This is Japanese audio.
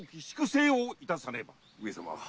上様